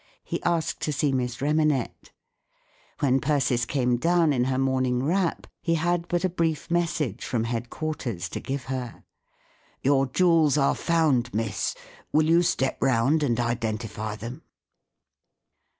He asked to see Miss Remanet, When Persis came down, in her morning wrap, he had but a brief message from head quarters to give her: "Your jewels are found, Miss* Will you step round and iden¬ tify them?"